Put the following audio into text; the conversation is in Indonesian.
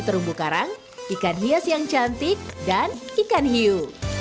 terumbu karang ikan hias yang cantik dan ikan hiu